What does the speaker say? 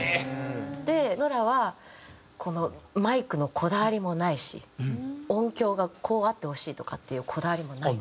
でノラはマイクのこだわりもないし音響がこうあってほしいとかっていうこだわりもないって。